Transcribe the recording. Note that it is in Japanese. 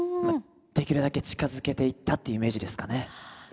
できるだけ近づけていったっていうイメージですかね。